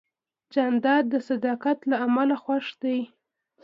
جانداد د صداقت له امله خوښ دی.